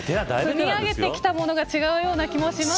積み上げてきたものが違うような気もしますが。